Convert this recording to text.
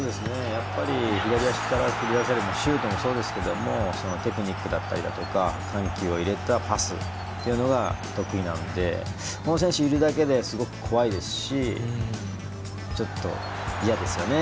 左足から繰り出されるシュートもそうですけどテクニックだったりとか緩急を入れたパスというのが得意なのでこの選手がいるだけですごく怖いですしちょっと嫌ですよね。